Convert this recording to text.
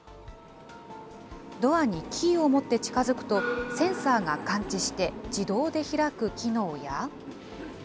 ドアにキーを持って近づくと、センサーが感知して自動で開く機能や。